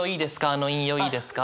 あの引用いいですか？」